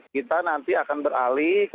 kita nanti akan beralih